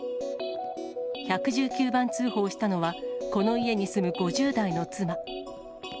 １１９番通報したのは、この家に住む５０代の妻。